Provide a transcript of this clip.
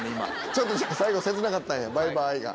ちょっと最後切なかったんや「バイバイ」が。